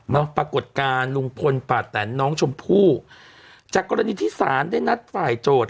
ปรากฏการณ์ลุงพลป่าแตนน้องชมพู่จากกรณีที่ศาลได้นัดฝ่ายโจทย์